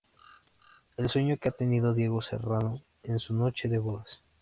El sueño que ha tenido Diego Serrano en su noche de bodas.